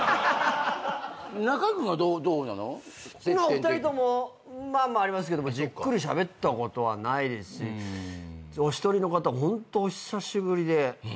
お二人ともありますけどじっくりしゃべったことはないですしお一人の方ホントお久しぶりで。